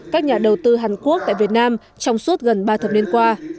các nhà đầu tư hàn quốc tại việt nam trong suốt gần ba thập niên qua